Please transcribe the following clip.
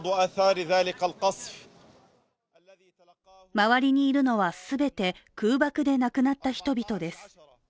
周りにいるのは全て空爆で亡くなった人々です